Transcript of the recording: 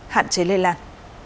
hạn chế lây lan